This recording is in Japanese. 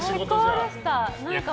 最高でした！